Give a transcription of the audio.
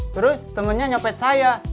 terus temennya nyopet saya